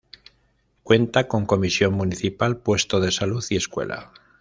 Cuenta con comisión municipal, puesto de salud y escuela.